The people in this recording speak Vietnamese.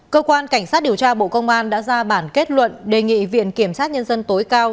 cơ quan cảnh sát điều tra bộ công an đã ra bản kết luận đề nghị viện kiểm sát nhân dân tối cao